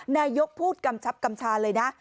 นายกพูดกำชับกำชาเลยนะ